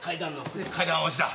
階段落ちだ。